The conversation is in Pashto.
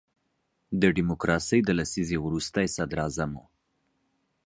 د ډیموکراسۍ د لسیزې وروستی صدر اعظم وو.